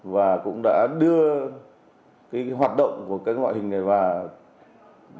và cũng đã đưa cái hoạt động của cái loại hình này vào